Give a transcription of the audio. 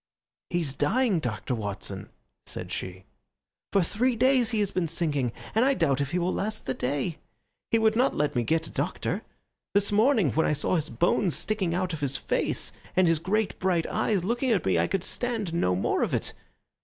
"He's dying, Dr. Watson," said she. "For three days he has been sinking, and I doubt if he will last the day. He would not let me get a doctor. This morning when I saw his bones sticking out of his face and his great bright eyes looking at me I could stand no more of it.